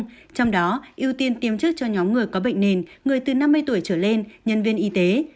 trong đó ưu tiên tiêm trước cho nhóm người có bệnh nền người từ năm mươi tuổi trở lên nhân viên y tế